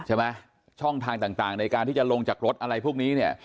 ช่องทางต่างในการที่จะลงจากรถอะไรพวกนี้เนี่ย